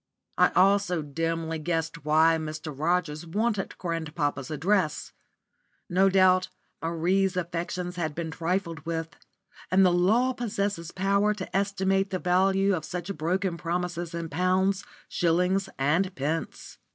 I also dimly guessed why Mr. Rogers wanted grandpapa's address. No doubt Marie's affections had been trifled with, and the law possesses power to estimate the value of such broken promises in pounds, shillings, and pence.